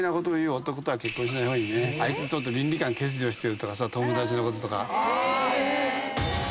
「あいつちょっと倫理観欠如してる」とか友達のこととか。